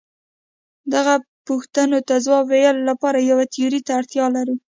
دغو پوښتنو ته ځواب ویلو لپاره یوې تیورۍ ته اړتیا لرو.